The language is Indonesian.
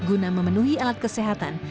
guna memenuhi alat kesehatan